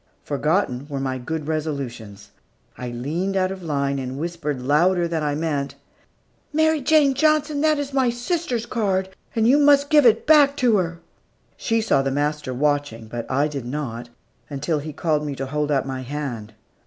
Forgotten were my good resolutions. I leaned out of line, and whispered louder than I meant, "Mary Jane Johnson, that is my sister's card, and you must give it back to her." She saw the master watching, but I did not, until he called me to hold out my hand.